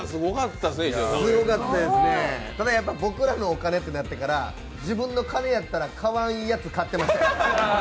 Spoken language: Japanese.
ただ、やっぱ僕らのお金ってなったら自分の金やったら買わんやつ買ってましたよね。